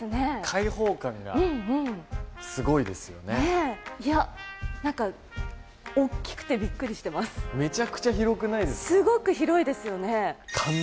開放感がすごいですよねなんかめちゃくちゃ広くないですかすごく広いですよね